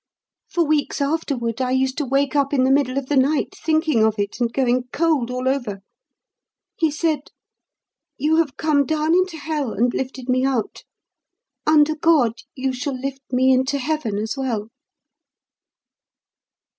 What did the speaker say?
"For weeks afterward I used to wake up in the middle of the night thinking of it and going cold all over. He said, 'You have come down into Hell and lifted me out. Under God, you shall lift me into Heaven as well!'"